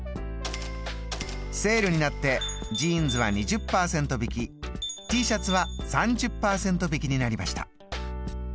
セールになってジーンズは２０％引きＴシャツは３０％引きになりました。